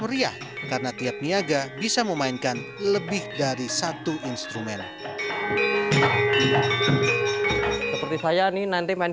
meriah karena tiap niaga bisa memainkan lebih dari satu instrumen seperti saya nih nanti main